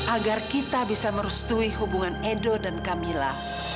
agar kita bisa merustui hubungan edo dan kamila